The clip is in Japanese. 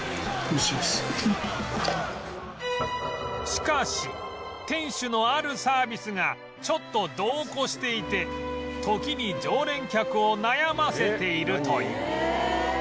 しかし店主のあるサービスがちょっと度を超していて時に常連客を悩ませているという